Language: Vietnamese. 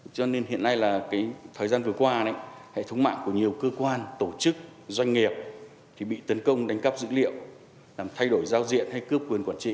cho nên hiện nay là thời gian vừa qua hệ thống mạng của nhiều cơ quan tổ chức doanh nghiệp bị tấn công đánh cắp dữ liệu làm thay đổi giao diện hay cướp quyền quản trị